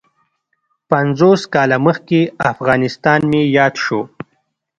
پنځوس کاله مخکې افغانستان مې یاد شو.